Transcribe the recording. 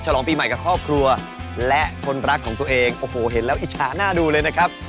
ลองปีใหม่กับครอบครัวและคนรักของตัวเองโอ้โหเห็นแล้วอิจฉาน่าดูเลยนะครับ